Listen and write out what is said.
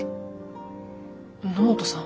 野本さん？